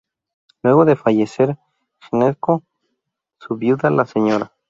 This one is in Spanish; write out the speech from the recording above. Luego de fallecer Gnecco, su viuda, la Sra.